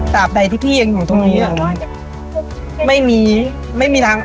ใดที่พี่ยังอยู่ตรงนี้อ่ะไม่มีไม่มีทาง